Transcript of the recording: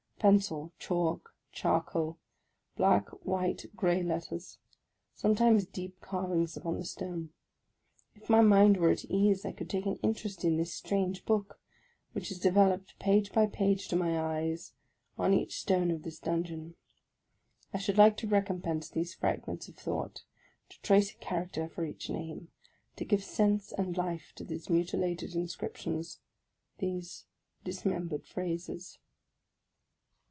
Pencil, chalk, charcoal, — black, white, grey letters ; sometimes deep carvings upon the stone. If my mind were at ease, I could take an interest in this strange book, which is developed page by page, to my eyes, on each stone of this dungeon. I should like to recompose these fragments of thought; to trace a character for each name; to give sense and life to these mutilated inscriptions, — these dismembered phrases.